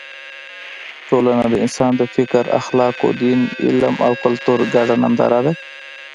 ټولنه د انسان د فکر، اخلاقو، دین، علم او کلتور ګډه ننداره ده.